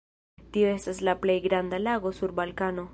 Tio estas la plej granda lago sur Balkano.